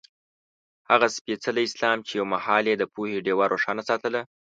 هغه سپېڅلی اسلام چې یو مهال یې د پوهې ډېوه روښانه ساتله.